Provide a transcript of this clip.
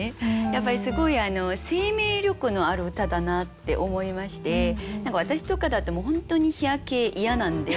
やっぱりすごい生命力のある歌だなって思いまして何か私とかだと本当に日焼け嫌なんで。